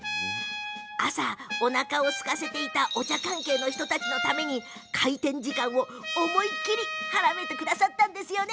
朝、おなかを空かせていたお茶関係者の人たちのために開店時間を思いっきり早めてくださったんですね。